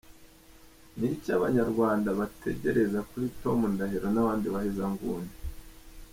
Ni iki abanyarwanda bategereza kuri Tom Ndahiro n’abandi bahezanguni ?